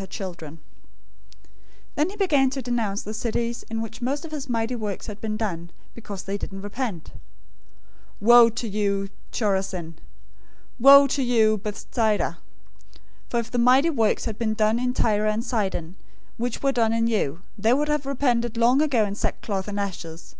{NU reads "actions" instead of "children"}" 011:020 Then he began to denounce the cities in which most of his mighty works had been done, because they didn't repent. 011:021 "Woe to you, Chorazin! Woe to you, Bethsaida! For if the mighty works had been done in Tyre and Sidon which were done in you, they would have repented long ago in sackcloth and ashes.